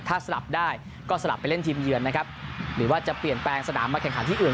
ถ้าสลับได้ก็สลับไปเล่นทีมเยือนนะครับหรือว่าจะเปลี่ยนแปลงสนามมาแข่งขันที่อื่น